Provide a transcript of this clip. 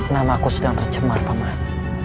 nama aku sedang tercemar paman